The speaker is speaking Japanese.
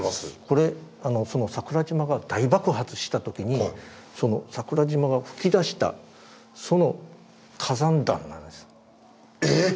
これあのその桜島が大爆発した時にその桜島が噴き出したそのえっ！